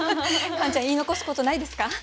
カンちゃん言い残すことないですか？